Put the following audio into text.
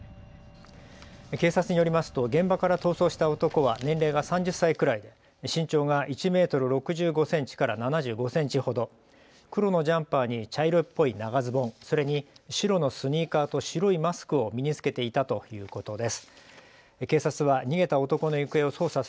警察によりますと現場から逃走した男は年齢が３０歳くらいで身長が１メートル６５センチから７５センチほど、黒のジャンパーに茶色っぽい長ズボン、それに白のスニーカーと白いマスクを身に着けていたということです。